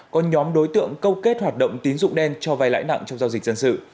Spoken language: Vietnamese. có nhóm đối tượng câu kết hoạt động tín dụng đen cho vai lãi nặng trong giao dịch dân sự